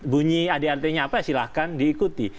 bunyi adi artinya apa silahkan diikuti